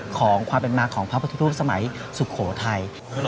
ของความเป็นมาของพระพุทธรูปสมัยสุโขทัย